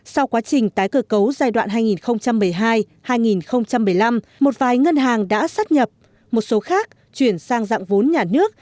sau quá trình tái cơ cấu giai đoạn hai nghìn một mươi hai hai nghìn một mươi năm một vài ngân hàng đã sát nhập một số khác chuyển sang dạng vốn nhà nước